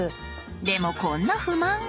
でもこんな不満が。